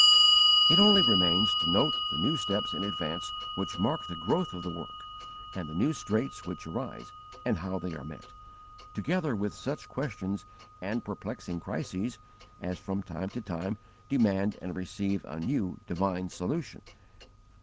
It only remains to note the new steps in advance which mark the growth of the work, and the new straits which arise and how they are met, together with such questions and perplexing crises as from time to time demand and receive a new divine solution.